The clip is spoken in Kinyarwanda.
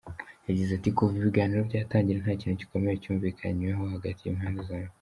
Yagize ati “Kuva ibiganiro byatangira, nta kintu gikomeye cyumvikanweho hagati y’impande zombi.